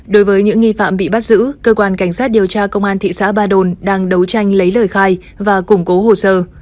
đối với những nghi phạm bị bắt giữ cơ quan cảnh sát điều tra công an thị xã ba đồn đang đấu tranh lấy lời khai và củng cố hồ sơ